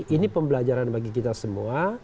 ini pembelajaran bagi kita